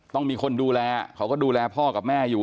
ต้องมีคนดูแลเขาก็ดูแลพ่อกับแม่อยู่